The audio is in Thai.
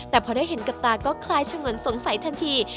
แต่พอได้เห็นกับตาก็คลายฉงวนสงสัยทันที